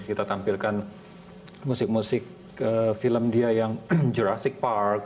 kita tampilkan musik musik film dia yang jurassic park